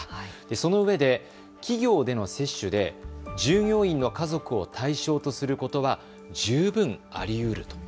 そのうえで企業での接種で従業員の家族を対象とすることは十分あり得ると。